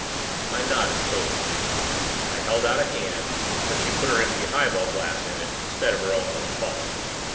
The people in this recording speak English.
I nodded soberly. I held out a hand but she put her empty highball glass in it instead of her own little paw.